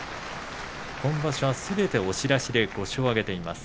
今場所はすべて押し出しで５勝を挙げています。